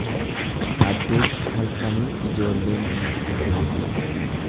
Addeessa halkanii ijoolleen biiftuu seeti.